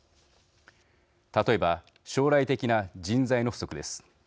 例えば、将来的な人材の不足です。